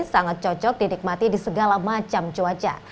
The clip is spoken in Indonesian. sangat cocok dinikmati di segala macam cuaca